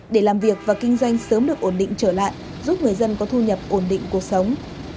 để làm việc và kinh doanh sớm được ổn định trở lại giúp người dân có thu nhập ổn định cuộc sống